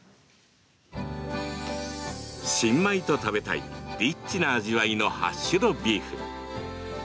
新米と食べたいリッチな味わいのハッシュドビーフ。